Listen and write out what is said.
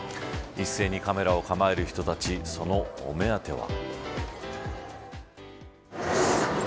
一斉にカメラを構える人たちそのお目当ては。